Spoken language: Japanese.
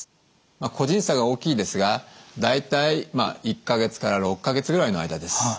個人差が大きいですが大体１か月から６か月ぐらいの間です。